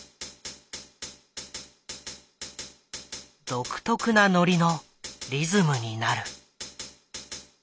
独特なノリのリズムになる。